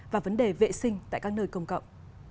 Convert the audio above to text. và vấn đề vệ sinh tại các nơi công cộng